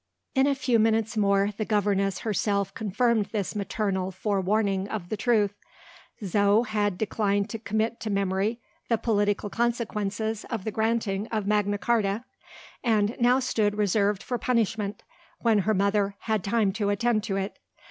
In a few minutes more, the governess herself confirmed this maternal forewarning of the truth. Zo had declined to commit to memory "the political consequences of the granting of Magna Charta" and now stood reserved for punishment, when her mother "had time to attend to it."